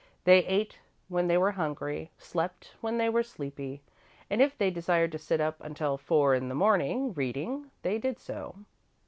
They ate when they were hungry, slept when they were sleepy, and, if they desired to sit up until four in the morning, reading, they did so.